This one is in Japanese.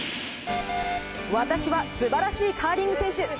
私はすばらしいカーリング選手。